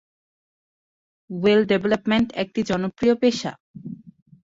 Web development একটি জনপ্রিয় পেশা।